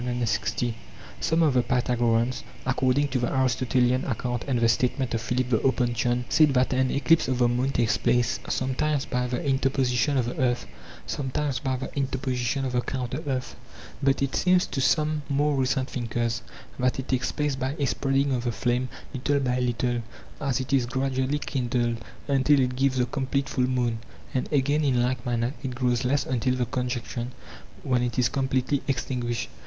Some of the Pythagoreans (according to the Aristotelian account and the statement of Philip the Opuntian) said that an eclipse of the moon takes place, sometimes by the interposition of the earth, sometimes by the interposition of the counter earth [avrivyOov]. But it seems to some more recent thinkers that it takes place by a spreading of the flame little by little as it is gradually kindled, until it gives the com plete full moon, and again, in like manner, it grows less until the conjunction, when it is completely extin guished.